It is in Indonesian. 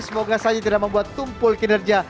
semoga saja tidak membuat tumpul kinerja